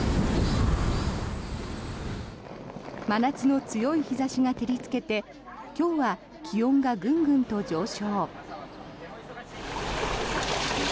真夏の強い日差しが照りつけて今日は気温がグングンと上昇。